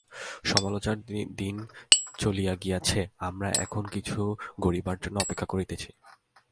সমালোচনার দিন চলিয়া গিয়াছে, আমরা এখন কিছু গড়িবার জন্য অপেক্ষা করিতেছি।